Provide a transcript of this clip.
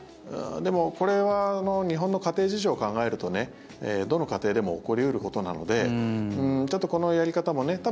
でも、これは日本の家庭事情を考えるとどの家庭でも起こり得ることなのでちょっと、このやり方もね。